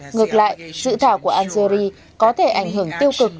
ngược lại dự thảo của algeri có thể ảnh hưởng tiêu cực